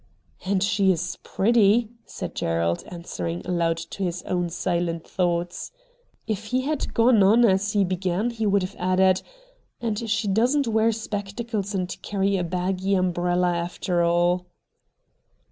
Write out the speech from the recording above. ' And she is pretty,' said Gerald, answering aloud to his own silent thoughts. LP he had gone on as he began he would have added, ' and she doesn't wear spectacles and carry a baggy umbrella after all.'